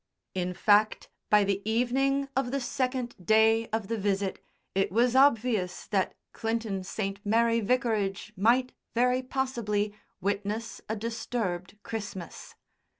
In fact, by the evening of the second day of the visit it was obvious that Clinton St. Mary Vicarage might, very possibly, witness a disturbed Christmas.